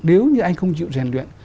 nếu như anh không chịu rèn luyện